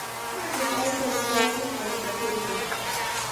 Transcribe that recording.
hupayta rikaykush mantsakurqa.